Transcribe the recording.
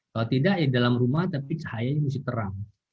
kalau tidak di dalam rumah tapi cahayanya masih terang